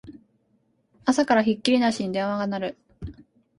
朝からひっきりなしに電話が鳴る